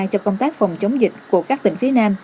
cho công tác phòng chống dịch của các tỉnh phía nam